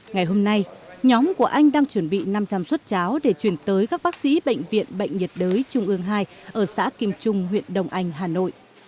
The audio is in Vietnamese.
ngày hôm nay nhóm của anh đang chuẩn bị năm trăm linh suất cháo để chuyển tới các bác sĩ bệnh viện bệnh nhiệt đới trung ương hai ở xã kim trung huyện đông anh hà nội